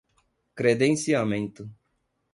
credenciamento